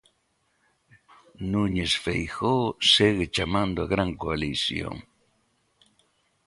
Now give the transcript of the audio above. Núñez Feijóo segue chamando á gran coalición.